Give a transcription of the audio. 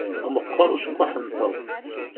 Meqqeṛ ucekkuḥ-nteɣ.